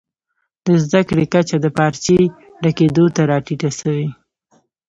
د زده کړي کچه د پارچې ډکېدو ته راټیټه سوې.